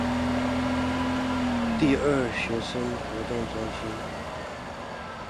第二學生活動中心